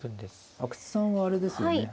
阿久津さんはあれですよね